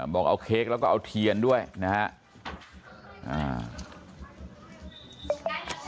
บอกเอาเค้กแล้วก็เอาเทียนด้วยนะครับ